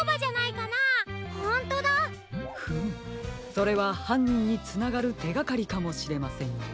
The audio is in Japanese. それははんにんにつながるてがかりかもしれませんよ。